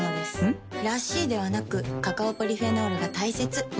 ん？らしいではなくカカオポリフェノールが大切なんです。